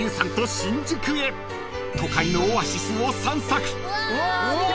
［都会のオアシスを散策］